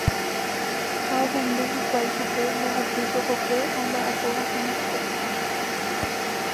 Ha ohendu hikuái chupe mbohapy chokokue omba'apovahína upérupi.